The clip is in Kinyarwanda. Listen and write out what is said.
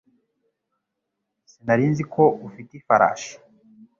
Sinari nzi ko ufite ifarashi